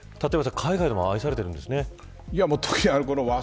立岩さん海外でも愛されているんですね。